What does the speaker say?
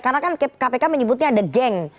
karena kan kpk menyebutnya ada geng